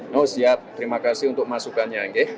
noh siap terima kasih untuk masukannya nge